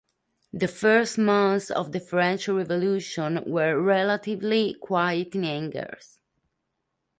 The first months of the French Revolution were relatively quiet in Angers.